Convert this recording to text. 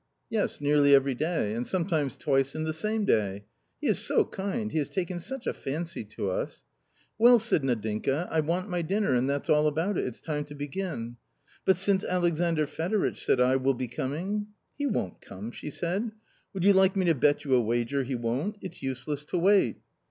" Yes, nearly every day, and sometimes twice in the same day ; he is so kind, he has taken such a fancy to us. ... 'Well,' said Nadinka, 'I want my dinner, and that's all about it ! it's time to begin.' 'But since Alexandr Fedoritch,' said I, ' will be coming ?'""' He won't come,' she said, " would you like me to bet you a wager he won't? it's useless to wait."